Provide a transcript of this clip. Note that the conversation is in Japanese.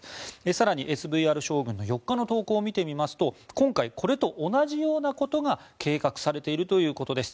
更に、ＳＶＲ将軍の４日の投稿を見てみますと今回、これと同じようなことが計画されているということです。